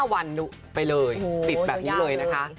๕วันไปเลยปิดแบบนี้เลยนะคะ